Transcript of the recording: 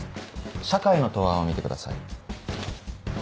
社会の答案を見てください。